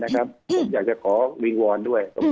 ผมอยากจะขอวิงวอนด้วย